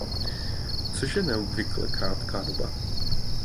Což je neobvykle krátká doba.